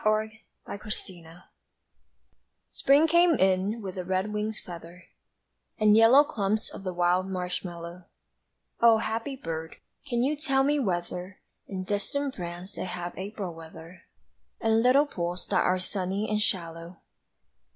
Spring Came In SPRING came in with a red wing's feather And yellow clumps of the wild marshmallow O happy bird, can you tell me whether In distant France they have April weather? And little pools that are sunny and shallow?